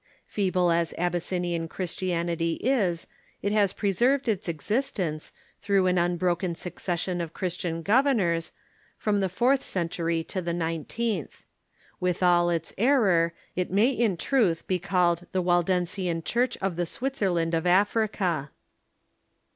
Feeble as Abys sinian Christianity is, it has preserved its existence, through an unbroken succession of Christian governors, from the fourth century to the nineteenth. With all its error, it may in truth be called the Waldensian Church of the Switzerland of Africa.